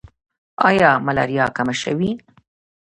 آیا ملاریا کمه شوې؟